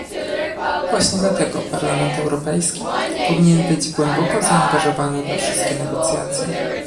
Właśnie dlatego Parlament Europejski powinien być głęboko zaangażowany we wszystkie negocjacje